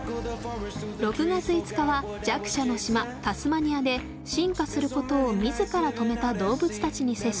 ６月５日は弱者の島タスマニアで進化することを自ら止めた動物たちに接し